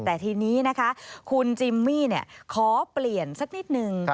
แต่ทีนี้นะคะคุณจิมมี่ขอเปลี่ยนสักนิดนึง